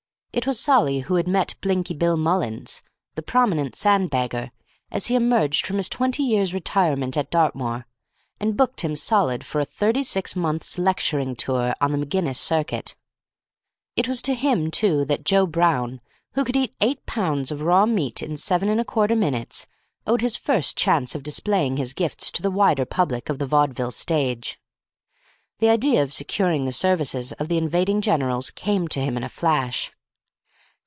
It was Solly who had met Blinky Bill Mullins, the prominent sand bagger, as he emerged from his twenty years' retirement at Dartmoor, and booked him solid for a thirty six months' lecturing tour on the McGinnis circuit. It was to him, too, that Joe Brown, who could eat eight pounds of raw meat in seven and a quarter minutes, owed his first chance of displaying his gifts to the wider public of the vaudeville stage. The idea of securing the services of the invading generals came to him in a flash.